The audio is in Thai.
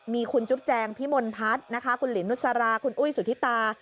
มีคุณจุ๊บแจงพิมลพัฒน์นะคะคุณหลินนุษราคุณอุ้ยสุธิตา